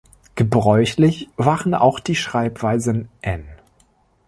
Gebräuchlich waren auch die Schreibweisen "N.